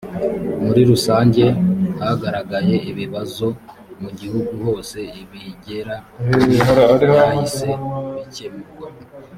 muri rusange hagaragaye ibibazo mu gihugu hose ibigera kuri byahise bikemurwa